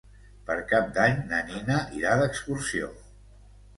Per Cap d'Any na Nina irà d'excursió.